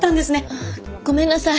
ああごめんなさい。